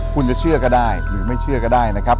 คุณจะเชื่อก็ได้หรือไม่เชื่อก็ได้นะครับ